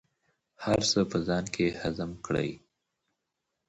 هر څه په ځان کې هضم کړئ.